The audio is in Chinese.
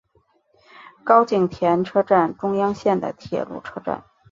高井田车站中央线的铁路车站。